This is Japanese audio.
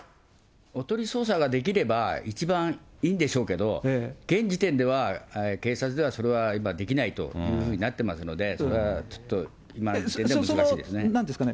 おとり捜査ができれば、一番いいんでしょうけど、現時点では、警察ではそれは今できないというふうになってますので、それはちょっと、今の時点では難しいですね。